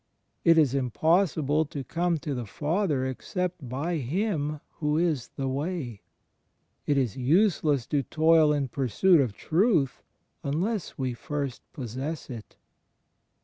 It is impossible to come to the Father except by Him who is the Way. It is useless to toil in pursuit of truth, unless we first possess It.